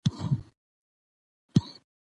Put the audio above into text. موږ باید وخت سم مدیریت کړو